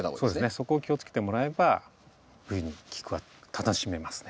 そこを気をつけてもらえば冬にキク科楽しめますね。